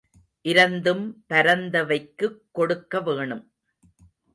இரந்தும் பரந்தவைக்குக் கொடுக்கவேணும்.